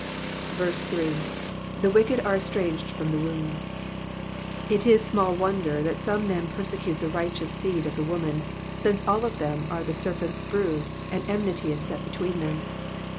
8. ^*The wicked a/re estranged from the womb.'''' It is small wonder that some men persecute the righteous seed of the woman, since all of them are of the serpent^s brood, and enmity is set between them.